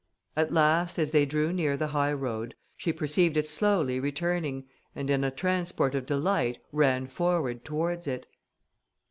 At last, as they drew near the high road, she perceived it slowly returning, and in a transport of delight ran forward towards it.